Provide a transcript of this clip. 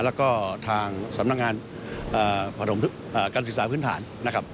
แล้วก็ทางสำนักงานการศึกษาพื้นฐานนะครับ